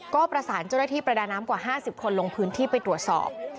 ก็ประสานเจ้าหน้าที่ประดาน้ำกว่า๕๐คนลงพื้นที่ไปตรวจสอบ